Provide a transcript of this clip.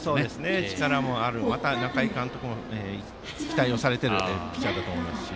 力もある、また中井監督も期待されているピッチャーだと思います。